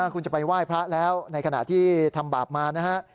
คุณจะไปไหว้พระแล้วในขณะที่ทำบาปมานะฮะ